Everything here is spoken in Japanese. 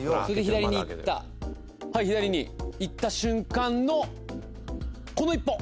はい、左に行った瞬間のこの一歩！